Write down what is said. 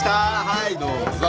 はいどうぞ。